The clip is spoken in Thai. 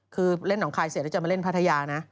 คือเล่นหนองคายเสร็จแล้วจะมาเล่นพัทยานะ